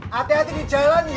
hah ternyata bukan ruze ze lava